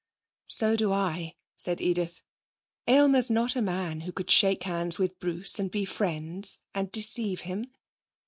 'So do I,' said Edith. 'Aylmer's not a man who could shake hands with Bruce and be friends and deceive him.